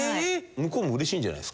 向こうもうれしいんじゃないですか？